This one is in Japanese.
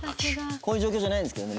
「こういう状況じゃないんですけどね」